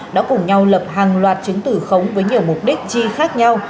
đã cùng nhau lập hàng loạt chứng tử khống với nhiều mục đích chi khác nhau